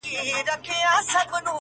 مـــــه كـــــوه او مـــه اشـــنـــا.